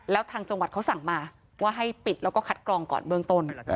แล้วทางจังหวัดเขาสั่งมาว่าให้ปิดแล้วก็คัดกรองก่อนเบื้องต้น